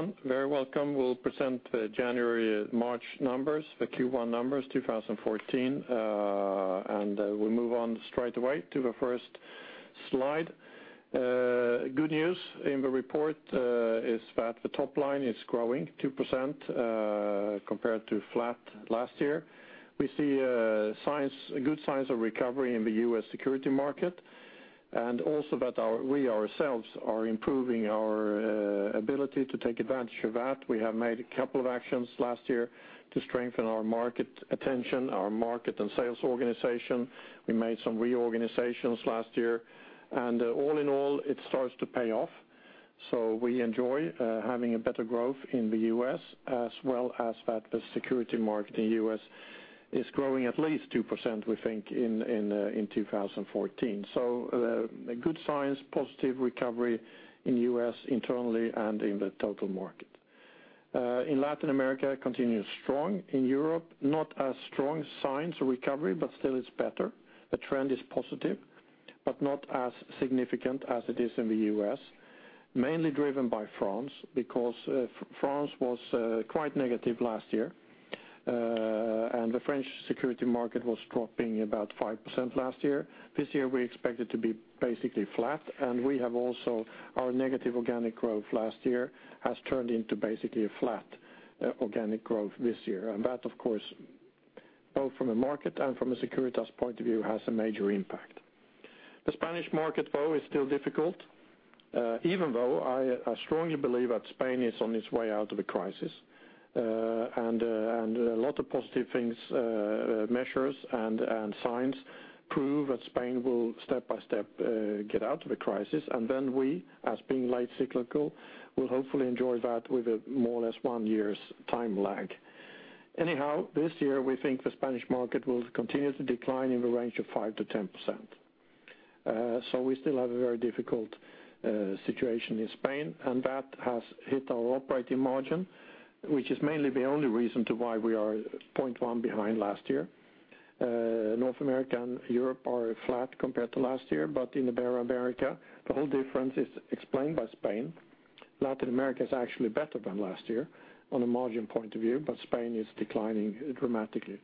Hello everyone. Very welcome. We'll present the January, March numbers, the Q1 numbers 2014, and we move on straight away to the first slide. Good news in the report is that the top line is growing 2%, compared to flat last year. We see signs, good signs of recovery in the U.S. security market, and also that our we ourselves are improving our ability to take advantage of that. We have made a couple of actions last year to strengthen our market attention, our market and sales organization. We made some reorganizations last year. All-in-all, it starts to pay off. So we enjoy having a better growth in the U.S., as well as that the security market in the U.S. is growing at least 2%, we think, in 2014. So good signs, positive recovery in the U.S. internally and in the total market. In Latin America, continues strong. In Europe, not as strong signs of recovery, but still it's better. The trend is positive, but not as significant as it is in the U.S., mainly driven by France because France was quite negative last year, and the French security market was dropping about 5% last year. This year we expect it to be basically flat, and we have also our negative organic growth last year has turned into basically a flat organic growth this year. And that, of course, both from a market and from a Securitas point of view, has a major impact. The Spanish market, though, is still difficult, even though I strongly believe that Spain is on its way out of a crisis, and a lot of positive things, measures, and signs prove that Spain will step by step get out of a crisis. And then we, as being late cyclical, will hopefully enjoy that with a more or less one year's time lag. Anyhow, this year we think the Spanish market will continue to decline in the range of 5%-10%. So we still have a very difficult situation in Spain, and that has hit our operating margin, which is mainly the only reason why we are 0.1 behind last year. North America and Europe are flat compared to last year, but in Ibero-America, the whole difference is explained by Spain. Latin America is actually better than last year on a margin point of view, but Spain is declining dramatically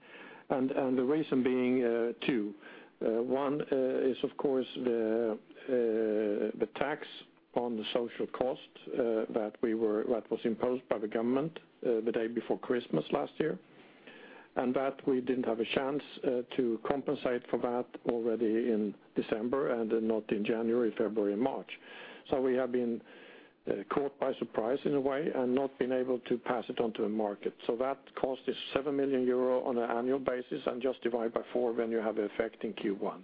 and, and the reason being two. One is, of course, the tax on the social cost that was imposed by the government the day before Christmas last year, and that we didn't have a chance to compensate for that already in December and not in January, February, and March. So we have been caught by surprise in a way and not been able to pass it onto the market. So that cost is 7 million euro on an annual basis and just divide by four when you have the effect in Q1.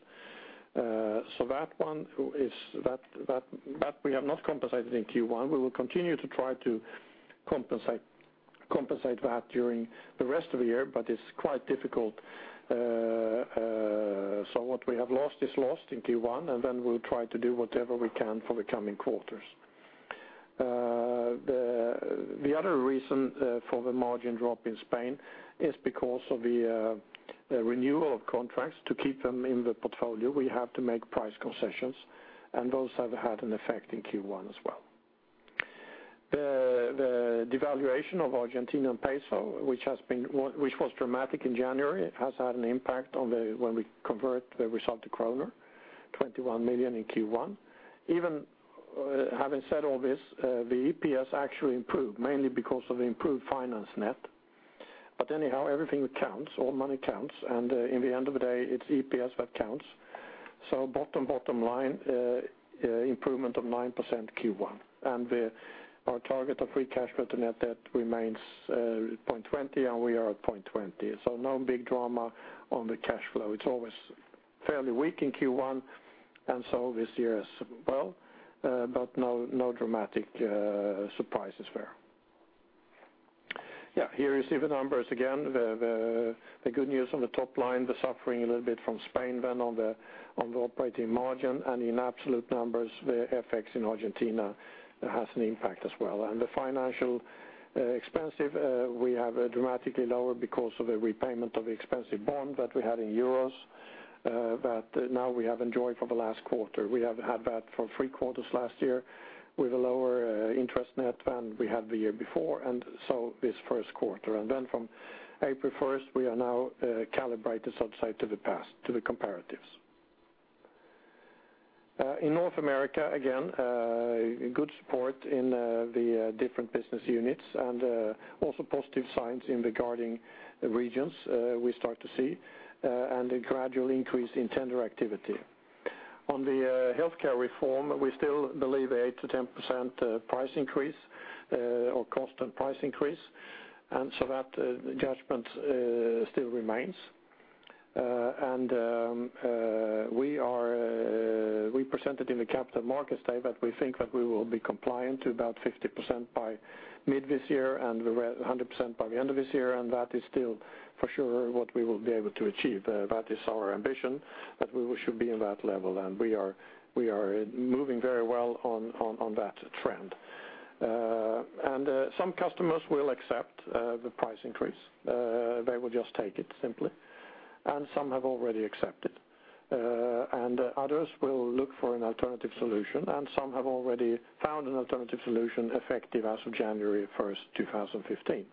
So that one is that we have not compensated in Q1. We will continue to try to compensate that during the rest of the year, but it's quite difficult. So what we have lost is lost in Q1, and then we'll try to do whatever we can for the coming quarters. The other reason for the margin drop in Spain is because of the renewal of contracts. To keep them in the portfolio, we have to make price concessions, and those have had an effect in Q1 as well. The devaluation of the Argentine peso, which was dramatic in January, has had an impact when we convert the result to kronor, 21 million in Q1. Even having said all this, the EPS actually improved, mainly because of the improved finance net. But anyhow, everything counts. All money counts, and in the end of the day, it's EPS that counts. So bottom line, improvement of 9% Q1. And our target of free cash flow to net debt remains 0.20, and we are at 0.20. So no big drama on the cash flow. It's always fairly weak in Q1, and so this year as well but no dramatic surprises there. Yeah. Here is even numbers again. The good news on the top line, the suffering a little bit from Spain then on the operating margin and in absolute numbers, the FX in Argentina has an impact as well. The financial expenses we have dramatically lower because of the repayment of the expensive bond that we had in euros, that now we have enjoyed for the last quarter. We have had that for three quarters last year with a lower interest net than we had the year before, and so this first quarter. And then from April 1st, we are now calibrated such that to the past to the comparatives. In North America, again, good support in the different business units, and also positive signs regarding the regions, we start to see a gradual increase in tender activity. On the healthcare reform, we still believe an 8%-10% price increase, or cost and price increase. And so that judgment still remains. And we presented in the Capital Markets Day that we think that we will be compliant to about 50% by mid this year and then 100% by the end of this year, and that is still for sure what we will be able to achieve. That is our ambition, that we should be in that level, and we are moving very well on that trend. And some customers will accept the price increase. They will just take it simply, and some have already accepted. Others will look for an alternative solution, and some have already found an alternative solution effective as of January 1st, 2015.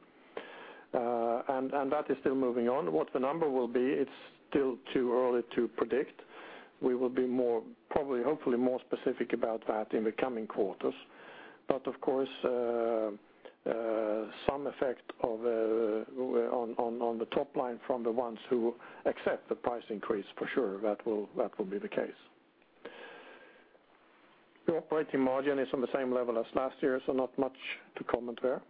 And that is still moving on. What the number will be, it's still too early to predict. We will be more probably, hopefully, more specific about that in the coming quarters. But of course, some effect of what on the top line from the ones who accept the price increase, for sure, that will be the case. The operating margin is on the same level as last year, so not much to comment there.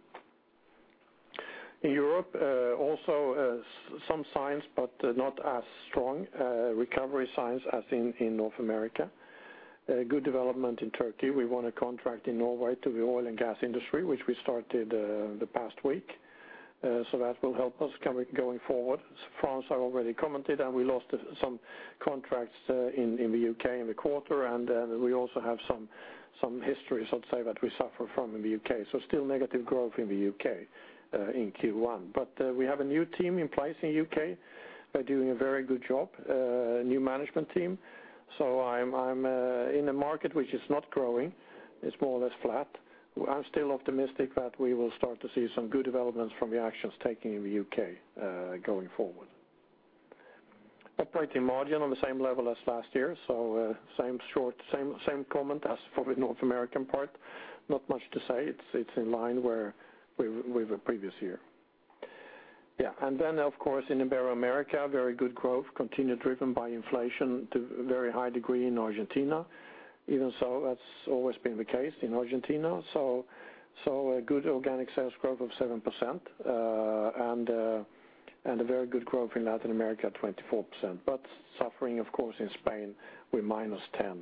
In Europe, also, some signs, but not as strong recovery signs as in North America. Good development in Turkey. We won a contract in Norway to the oil and gas industry, which we started the past week. So that will help us going forward. In France I already commented, and we lost some contracts in the U.K. in the quarter, and we also have some history, so to say, that we suffer from in the U.K. So still negative growth in the U.K. in Q1 but we have a new team in place in the U.K. They're doing a very good job, new management team. So I'm in a market which is not growing. It's more or less flat. I'm still optimistic that we will start to see some good developments from the actions taken in the U.K. going forward. Operating margin on the same level as last year, so same comment as for the North American part. Not much to say. It's in line with the previous year. Yeah. And then, of course, in Ibero-America, very good growth, continued driven by inflation to very high degree in Argentina. Even so, that's always been the case in Argentina. So good organic sales growth of 7%, and a very good growth in Latin America, 24%. But suffering, of course, in Spain with -10%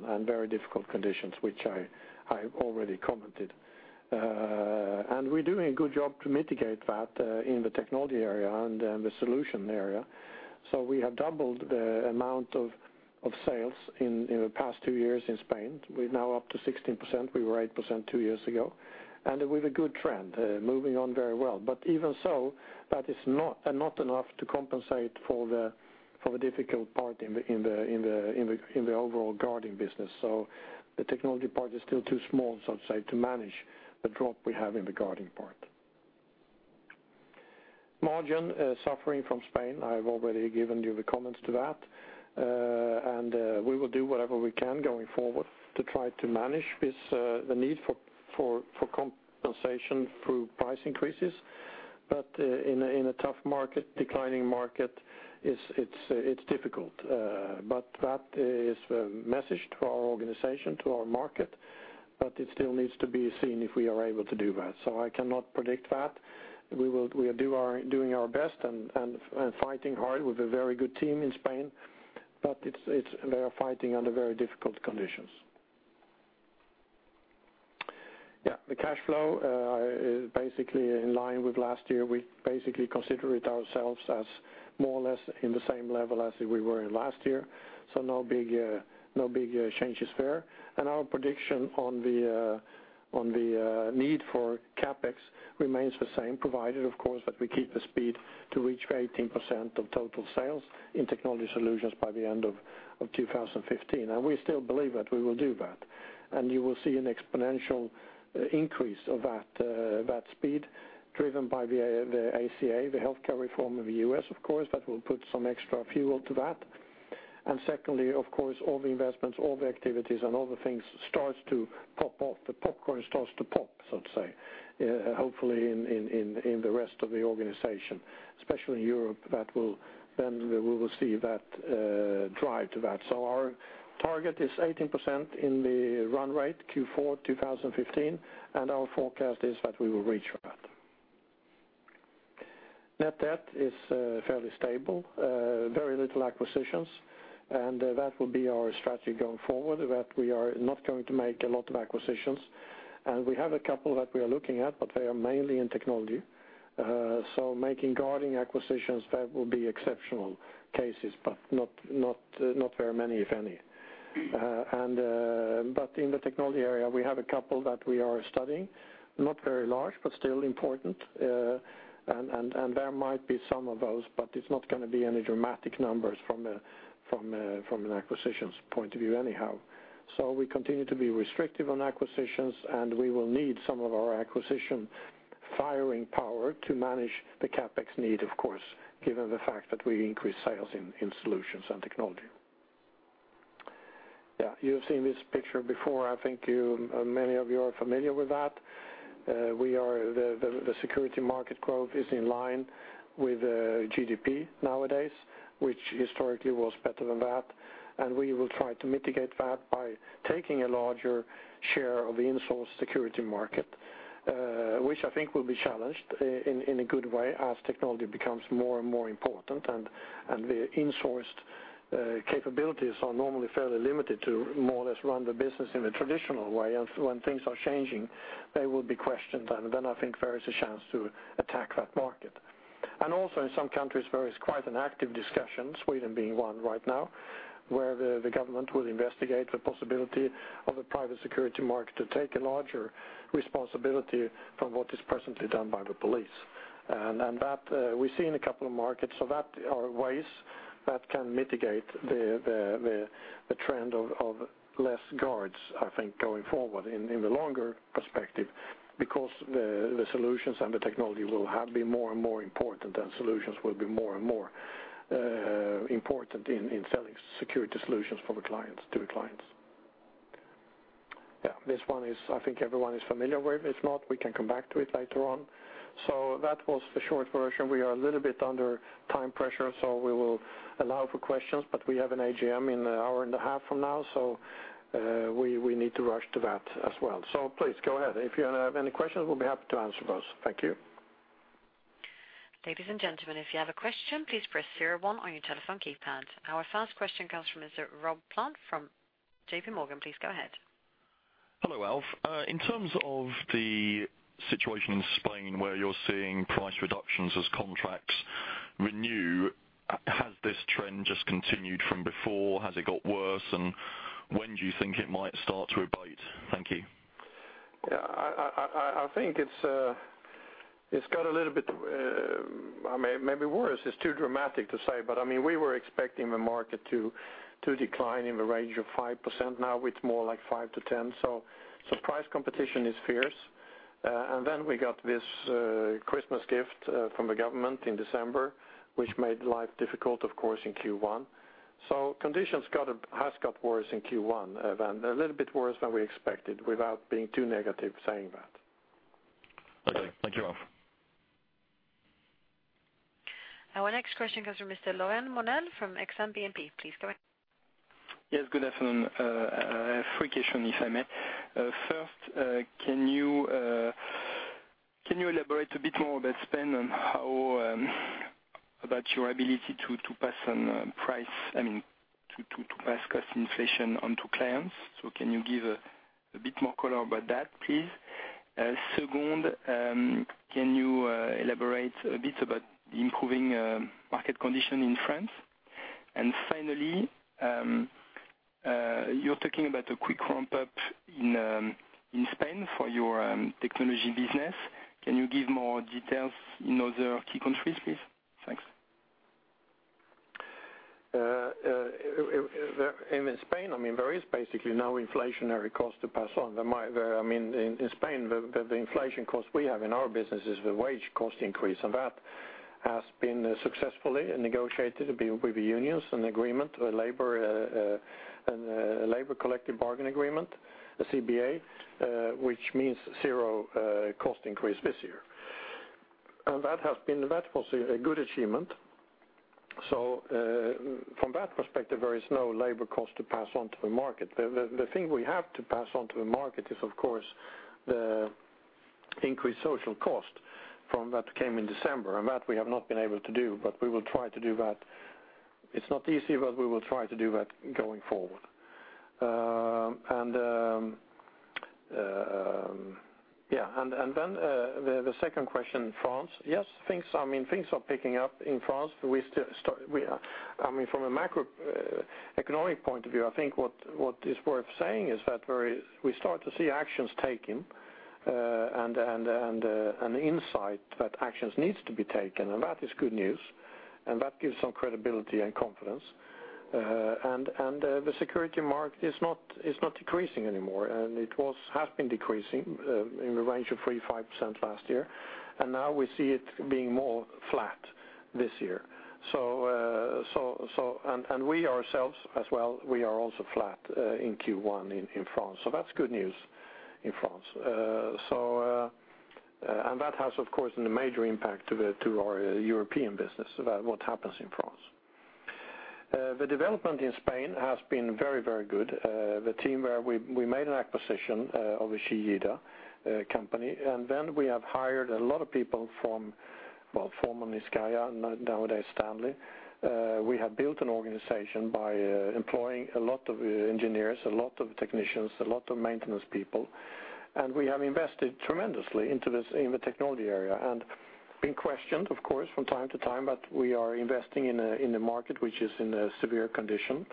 and very difficult conditions, which I already commented, and we're doing a good job to mitigate that, in the technology area and the solution area. So we have doubled the amount of sales in the past two years in Spain. We're now up to 16%. We were 8% two years ago. And we've a good trend, moving on very well. But even so, that is not enough to compensate for the difficult part in the overall guarding business. So the technology part is still too small, so to say, to manage the drop we have in the guarding part. Margin, suffering from Spain. I have already given you the comments to that. We will do whatever we can going forward to try to manage this, the need for compensation through price increases but in a tough market, declining market, it's difficult. But that is the message to our organization, to our market, but it still needs to be seen if we are able to do that. So I cannot predict that. We will do our best and fighting hard with a very good team in Spain, but they are fighting under very difficult conditions. Yeah. The cash flow, I basically in line with last year, we basically consider it ourselves as more or less in the same level as we were in last year. So no big changes there. And our prediction on the need for CapEx remains the same, provided, of course, that we keep the speed to reach 18% of total sales in technology solutions by the end of 2015. And we still believe that we will do that. And you will see an exponential increase of that speed driven by the ACA, the healthcare reform in the U.S., of course, that will put some extra fuel to that and secondly, of course, all the investments, all the activities, and all the things start to pop off. The popcorn starts to pop, so to say, hopefully in the rest of the organization, especially in Europe that will then we will see that drive to that. So our target is 18% in the run rate Q4 2015, and our forecast is that we will reach that. Net debt is fairly stable, very little acquisitions, and that will be our strategy going forward, that we are not going to make a lot of acquisitions. We have a couple that we are looking at, but they are mainly in technology. So making guarding acquisitions, that will be exceptional cases, but not very many, if any. But in the technology area, we have a couple that we are studying, not very large, but still important. And there might be some of those, but it's not going to be any dramatic numbers from an acquisitions point of view anyhow. So we continue to be restrictive on acquisitions, and we will need some of our acquisition firing power to manage the CapEx need, of course, given the fact that we increase sales in solutions and technology. Yeah. You've seen this picture before. I think many of you are familiar with that. The security market growth is in line with GDP nowadays, which historically was better than that. We will try to mitigate that by taking a larger share of the insourced security market, which I think will be challenged, in a good way as technology becomes more and more important, and the insourced capabilities are normally fairly limited to more or less run the business in a traditional way. And when things are changing, they will be questioned, and then I think there is a chance to attack that market. And also, in some countries, there is quite an active discussion, Sweden being one right now, where the government will investigate the possibility of a private security market to take a larger responsibility from what is presently done by the police. And that, we've seen a couple of markets, so that are ways that can mitigate the trend of less guards, I think, going forward in the longer perspective because the solutions and the technology will have been more and more important, and solutions will be more and more important in selling security solutions for the clients to the clients. Yeah. This one is I think everyone is familiar with. If not, we can come back to it later on. So that was the short version. We are a little bit under time pressure, so we will allow for questions, but we have an AGM in an hour and a half from now, so we need to rush to that as well. So please, go ahead. If you're going to have any questions, we'll be happy to answer those. Thank you. Ladies and gentlemen, if you have a question, please press zero one on your telephone keypad. Our first question comes from Mr. Rob Plant from JPMorgan. Please go ahead. Hello, Alf. In terms of the situation in Spain where you're seeing price reductions as contracts renew, has this trend just continued from before? Has it got worse, and when do you think it might start to abate? Thank you. Yeah. I think it's got a little bit, I mean, maybe worse. It's too dramatic to say, but I mean, we were expecting the market to decline in the range of 5%. Now it's more like 5%-10%. So price competition is fierce, and then we got this Christmas gift from the government in December, which made life difficult, of course, in Q1. So conditions has got worse in Q1, a little bit worse than we expected without being too negative saying that. Okay. Thank you, Alf. Our next question comes from Mr. Laurent Brunelle from Exane BNP. Please go ahead. Yes. Good afternoon. Three questions, if I may. First, can you elaborate a bit more about Spain and how about your ability to pass on price, I mean, to pass cost inflation onto clients? So can you give a bit more color about that, please? Second, can you elaborate a bit about improving market condition in France? And finally, you're talking about a quick ramp-up in Spain for your technology business. Can you give more details in other key countries, please? Thanks. There in Spain, I mean, there is basically no inflationary cost to pass on. I mean, in Spain, the inflation cost we have in our business is the wage cost increase, and that has been successfully negotiated with the unions, an agreement, a labor collective bargaining agreement, a CBA, which means zero cost increase this year. And that was a good achievement. So, from that perspective, there is no labor cost to pass onto the market. The thing we have to pass onto the market is, of course, the increased social cost that came in December, and that we have not been able to do, but we will try to do that. It's not easy, but we will try to do that going forward. And yeah. And then, the second question, France. Yes. I mean, things are picking up in France. We still—we, I mean, from a macroeconomic point of view, I think what is worth saying is that we start to see actions taken, and an insight that actions needs to be taken, and that is good news, and that gives some credibility and confidence and the security market is not decreasing anymore, and it has been decreasing in the range of 3%-5% last year, and now we see it being more flat this year. So and we ourselves as well, we are also flat in Q1 in France. So that's good news in France. So, and that has, of course, been a major impact to our European business about what happens in France. The development in Spain has been very, very good. The team where we, we made an acquisition of a Chillida company, and then we have hired a lot of people from, well, formerly Niscayah, nowadays Stanley. We have built an organization by employing a lot of engineers, a lot of technicians, a lot of maintenance people, and we have invested tremendously into this in the technology area and been questioned, of course, from time to time, but we are investing in a market which is in a severe condition,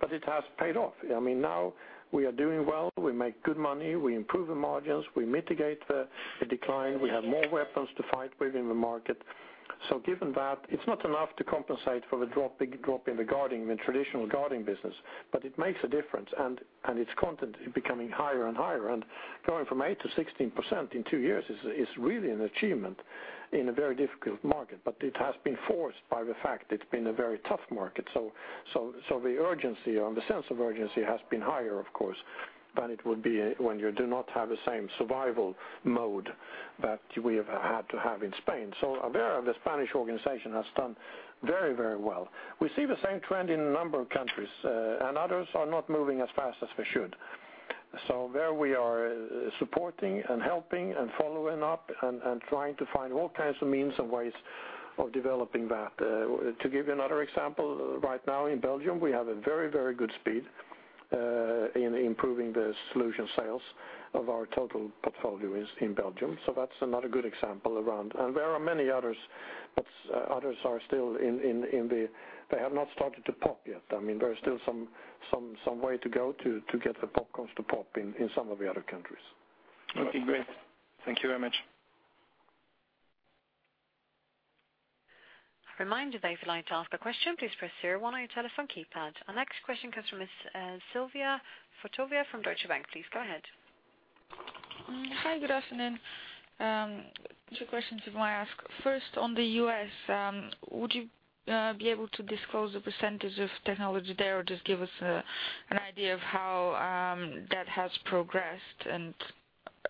but it has paid off. I mean, now we are doing well. We make good money. We improve the margins. We mitigate the decline. We have more weapons to fight with in the market. So given that, it's not enough to compensate for the drop big drop in the guarding in the traditional guarding business, but it makes a difference, and, and it's content becoming higher and higher, and going from 8%-16% in two years is, is really an achievement in a very difficult market, but it has been forced by the fact it's been a very tough market. So, the urgency or the sense of urgency has been higher, of course, than it would be when you do not have the same survival mode that we have had to have in Spain. So Iberia, the Spanish organization, has done very, very well. We see the same trend in a number of countries, and others are not moving as fast as they should. So there we are, supporting and helping and following up and, and trying to find all kinds of means and ways of developing that. To give you another example, right now in Belgium, we have a very, very good speed in improving the solution sales of our total portfolio is in Belgium. So that's another good example around and there are many others, but others are still in the they have not started to pop yet. I mean, there's still some way to go to get the popcorns to pop in some of the other countries. Okay. Great. Thank you very much. A reminder, though, if you'd like to ask a question, please press zero one on your telephone keypad. Our next question comes from Ms. Sylvia Barker from Deutsche Bank. Please go ahead. Hi. Good afternoon. Two questions if I may ask. First, on the U.S., would you be able to disclose the percentage of technology there or just give us an idea of how that has progressed?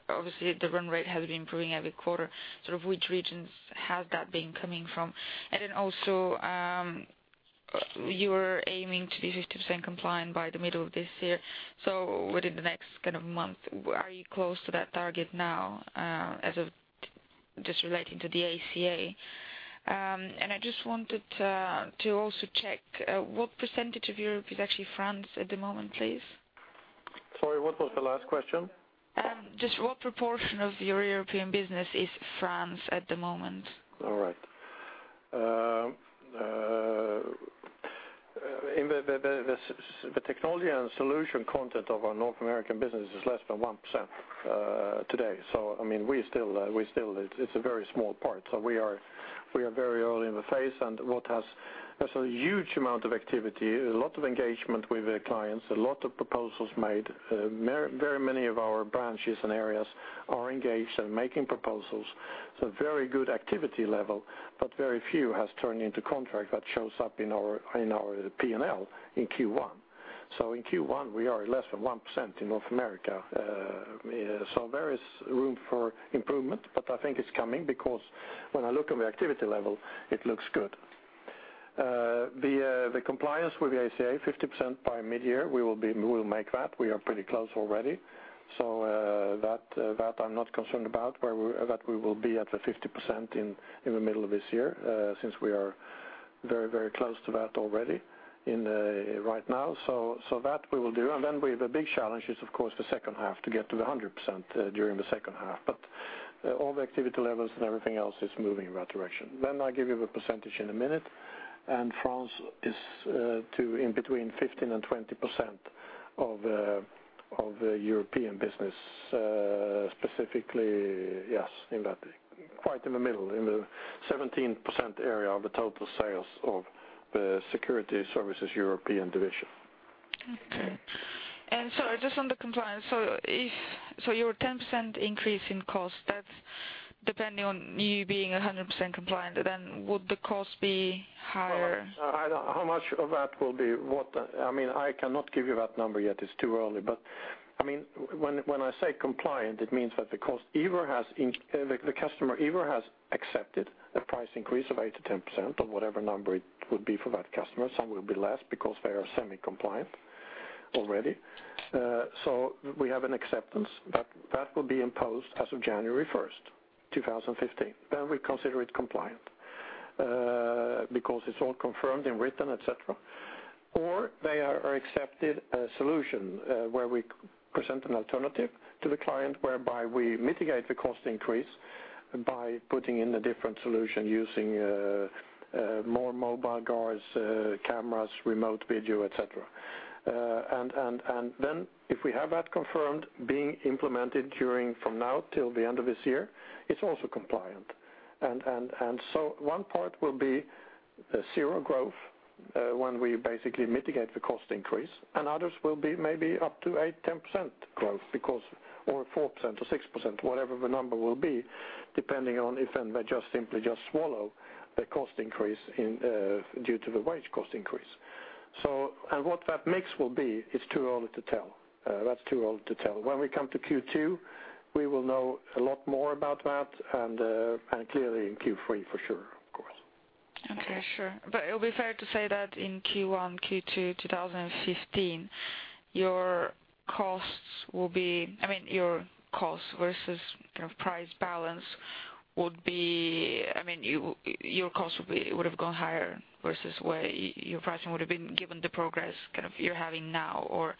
And obviously, the run rate has been improving every quarter. Sort of which regions has that been coming from? And then also, you're aiming to be 50% compliant by the middle of this year. So within the next kind of month, are you close to that target now, as of just relating to the ACA? And I just wanted to also check what percentage of Europe is actually France at the moment, please? Sorry. What was the last question? Just what proportion of your European business is France at the moment? All right. The technology and solution content of our North American business is less than 1% today. So, I mean, we still, it's a very small part. So we are very early in the phase, and what's there is a huge amount of activity, a lot of engagement with the clients, a lot of proposals made. Very, very many of our branches and areas are engaged and making proposals. It's a very good activity level, but very few has turned into contracts that shows up in our P&L in Q1. So in Q1, we are less than 1% in North America, so there is room for improvement, but I think it's coming because when I look on the activity level, it looks good. The compliance with the ACA, 50% by mid-year, we will make that. We are pretty close already. So, that I'm not concerned about where we will be at the 50% in the middle of this year, since we are very, very close to that already right now. So that we will do. And then we have a big challenge, of course, the second half, to get to the 100% during the second half, but all the activity levels and everything else is moving in that direction. Then I'll give you the percentage in a minute. And France is, too, in between 15%-20% of the European business, specifically, yes, in that quite in the middle, in the 17% area of the total sales of the security services European division. Okay. And so just on the compliance, so if your 10% increase in cost, that's depending on you being 100% compliant, then would the cost be higher? All right. I don't know how much of that will be. What I mean, I cannot give you that number yet. It's too early, but I mean, when I say compliant, it means that the customer either has accepted a price increase of 8%-10% or whatever number it would be for that customer. Some will be less because they are semi-compliant already. So we have an acceptance that that will be imposed as of January 1st, 2015. Then we consider it compliant, because it's all confirmed in writing, et cetera, or they are accepted a solution, where we present an alternative to the client whereby, we mitigate the cost increase by putting in a different solution using more mobile guards, cameras, remote video, et cetera. And then, if we have that confirmed being implemented during from now till the end of this year, it's also compliant and so one part will be zero growth, when we basically mitigate the cost increase, and others will be maybe up to 8%-10% growth because or 4% or 6%, whatever the number will be depending on it and they just simply just swallow the cost increase in due to the wage cost increase. So what that mix will be, it's too early to tell. That's too early to tell. When we come to Q2, we will know a lot more about that, and clearly in Q3 for sure, of course. Okay. Sure. But it'll be fair to say that in Q1, Q2, 2015, your costs will be—I mean, your costs versus kind of price balance would be—I mean, your costs would have gone higher versus where your pricing would have been given the progress kind of you're having now, or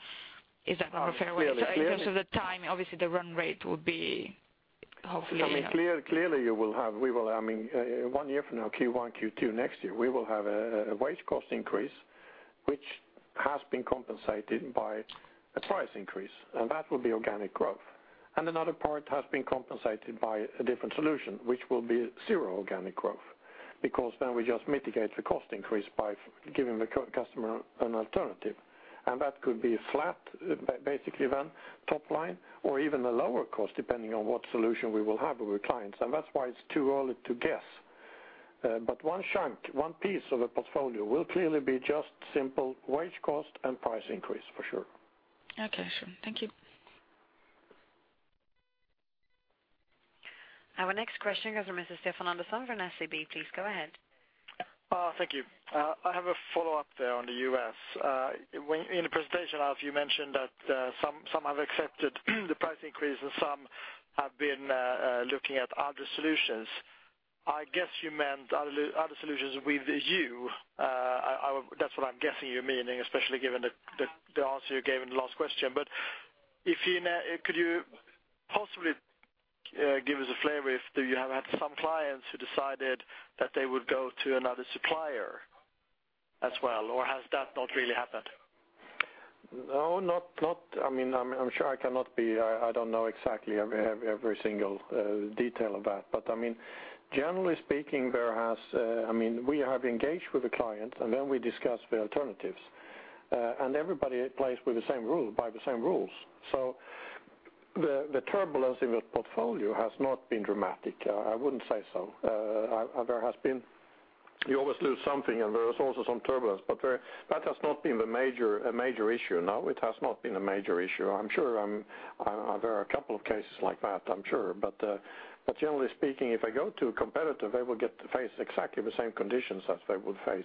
is that more fair when you say in terms of the time? Obviously, the run rate would be hopefully- I mean, clearly, we will—I mean, one year from now, Q1, Q2 next year, we will have a wage cost increase which has been compensated by a price increase, and that will be organic growth and another part has been compensated by a different solution which will be zero organic growth because then we just mitigate the cost increase by giving the customer an alternative, and that could be flat, basically then, top line, or even a lower cost depending on what solution we will have with clients. And that's why it's too early to guess but one chunk one piece of the portfolio will clearly be just simple wage cost and price increase for sure. Okay. Sure. Thank you. Our next question comes from Mr. Stefan Andersson from SEB. Please go ahead. Oh, thank you. I have a follow-up there on the U.S. When in the presentation, Alf, you mentioned that, some have accepted the price increase and some have been looking at other solutions. I guess you meant other solutions with you. I would – that's what I'm guessing you're meaning, especially given the answer you gave in the last question. But if you now could you possibly give us a flavor if do you have had some clients who decided that they would go to another supplier as well, or has that not really happened? No, not. I mean, I'm sure I cannot be – I don't know exactly every single detail of that, but I mean, generally speaking, there has – I mean, we have engaged with the clients, and then we discuss the alternatives. And everybody plays by the same rules. So the turbulence in the portfolio has not been dramatic. I wouldn't say so. There has been, you always lose something, and there is also some turbulence, but that has not been a major issue now. It has not been a major issue. I'm sure there are a couple of cases like that, I'm sure, but generally speaking, if I go to competitors, they will face exactly the same conditions as they would face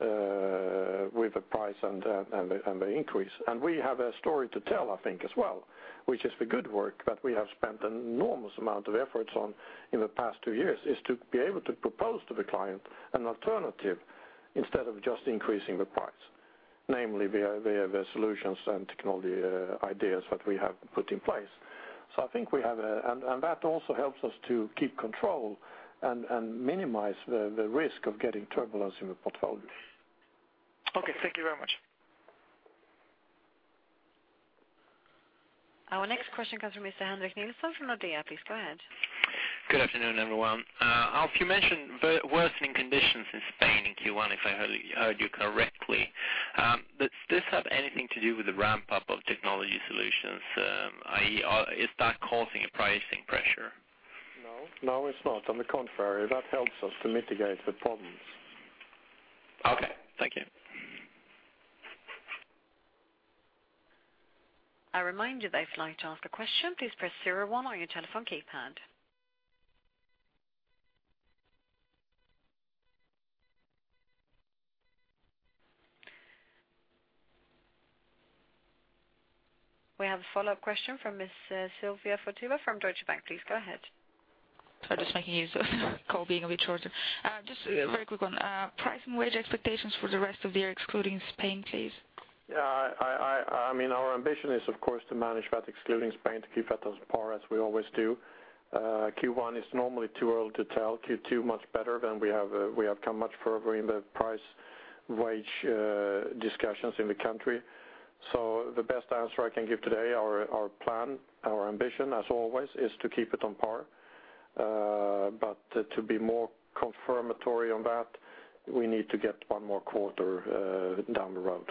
with the price and the increase. And we have a story to tell, I think, as well, which is the good work that we have spent an enormous amount of efforts on in the past two years is to be able to propose to the client an alternative instead of just increasing the price, namely via the solutions and technology ideas that we have put in place. So I think we have and that also helps us to keep control and minimize the risk of getting turbulence in the portfolio. Okay. Thank you very much. Our next question comes from Mr. Henrik Nilsson from Nordea. Please go ahead. Good afternoon, everyone. Alf, you mentioned worsening conditions in Spain in Q1, if I heard you correctly. Does this have anything to do with the ramp-up of technology solutions, i.e., or is that causing a pricing pressure? No. No, it's not. On the contrary, that helps us to mitigate the problems. Okay. Thank you. A reminder, though, if you'd like to ask a question, please press zero one on your telephone keypad. We have a follow-up question from Ms. Sylvia Barker from Deutsche Bank. Please go ahead. Sorry, just making use of the call being a bit shorter. Yes. Just a very quick one. Price and wage expectations for the rest of the year, excluding Spain, please? Yeah. I mean, our ambition is, of course, to manage that excluding Spain, to keep that on par as we always do. Q1 is normally too early to tell. Q2, much better than we have, we have come much further in the price wage discussions in the country. So the best answer I can give today, our plan, our ambition, as always, is to keep it on par, but to be more confirmatory on that, we need to get one more quarter down the road.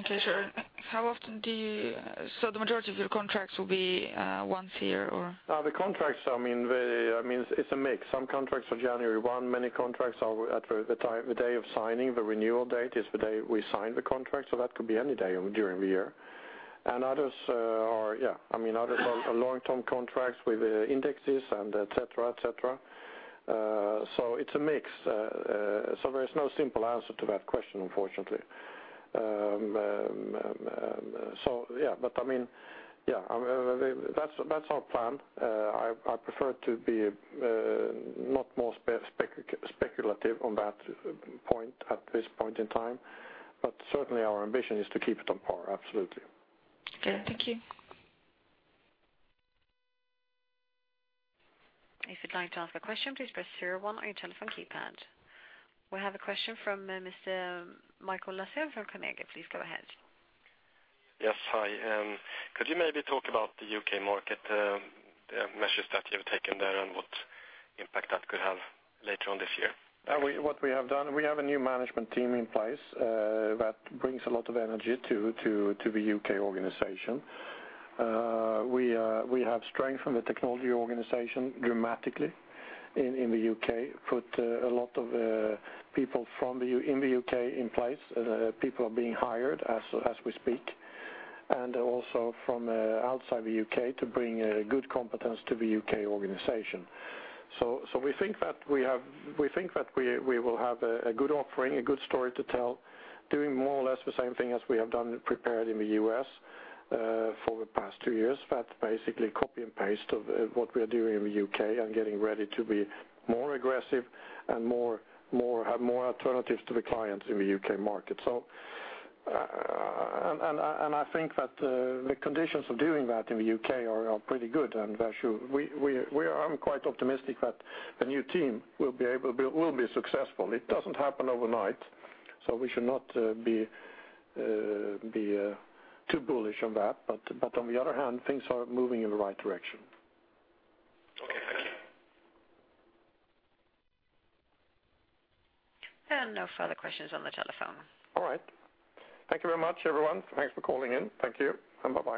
Okay. Sure. How often do you so the majority of your contracts will be, once a year, or? The contracts, I mean, vary, I mean, it's a mix. Some contracts are January 1. Many contracts are at the time, the day of signing. The renewal date is the day we sign the contracts, so that could be any day during the year. Others are, yeah. I mean, others are long-term contracts with indexes and et cetera, so it's a mix. There's no simple answer to that question, unfortunately. Yeah. But I mean, yeah. I mean, that's our plan. I prefer to be not more speculative on that point at this point in time, but certainly, our ambition is to keep it on par, absolutely. Okay. Thank you. If you'd like to ask a question, please press zero one on your telephone keypad. We have a question from Mr. Mikael Laséen from Carnegie Investment Bank. Please go ahead. Yes. Hi. Could you maybe talk about the U.K. market, the measures that you've taken there and what impact that could have later on this year? What we have done, we have a new management team in place that brings a lot of energy to the U.K. organization. We have strengthened the technology organization dramatically in the U.K., put a lot of people from the U.S. in the U.K. in place. People are being hired as we speak, and also from outside the U.K. to bring good competence to the U.K. organization. So we think that we will have a good offering, a good story to tell, doing more or less the same thing as we have done prepared in the U.S. for the past two years, that basically copy and paste of what we are doing in the U.K. and getting ready to be more aggressive and more alternatives to the clients in the U.K. market. So, I think that the conditions of doing that in the U.K. are pretty good, and that we are. I'm quite optimistic that the new team will be able to be successful. It doesn't happen overnight, so we should not be too bullish on that, but on the other hand, things are moving in the right direction. Okay. Thank you. No further questions on the telephone. All right. Thank you very much, everyone. Thanks for calling in. Thank you. Bye-bye.